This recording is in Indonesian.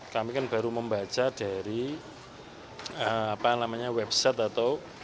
kami kan baru membaca dari website atau